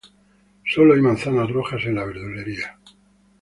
Solo hay manzanas rojas, en la verdulería.